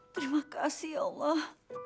terima kasih ya allah